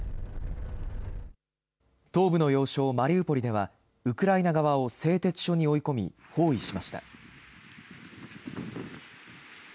東部の要衝マリウポリでは、ウクライナ側を製鉄所に追い込み、包囲しました。